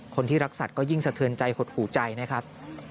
คนที่รักสัตว์ก็ยิ่งสะเทือนใจหดหูใจนะครับ